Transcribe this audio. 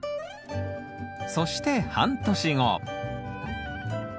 そして半年後。